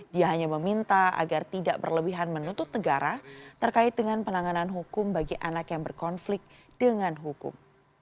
dia hanya meminta agar tidak berlebihan menuntut negara terkait dengan penanganan hukum bagi anak yang berkonflik dengan hukum